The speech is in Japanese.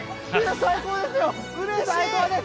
最高です